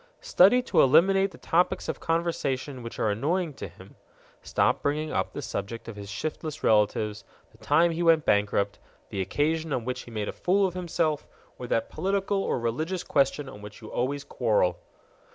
Study to eliminate the topics of conversation which are annoying to him: stop bringing up the subject of his shiftless relatives, the time he went bankrupt, the occasion on which he made a fool of himself, or that political or religious question on which you always quarrel.